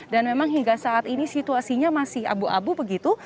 dan memang hingga saat ini situasinya masih abu abu begitu